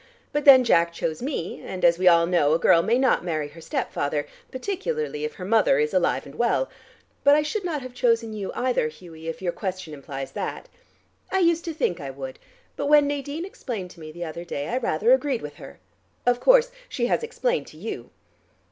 But then Jack chose me, and, as we all know, a girl may not marry her stepfather, particularly if her mother is alive and well. But I should not have chosen you either, Hughie, if your question implies that. I used to think I would, but when Nadine explained to me the other day, I rather agreed with her. Of course she has explained to you."